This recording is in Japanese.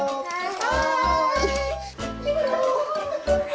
はい！